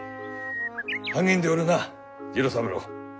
励んでおるな次郎三郎。